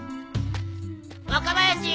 若林！